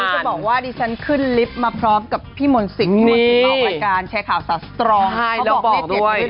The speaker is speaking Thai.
มันบอกว่าดิฉันขึ้นลิฟล์มาพร้อมกับพี่มนศริการแชร์ข่าวแสดงสัตว์